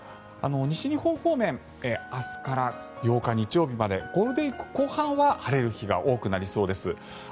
西日本方面明日から８日日曜日までゴールデンウィーク後半は晴れる日が多くなりそうです。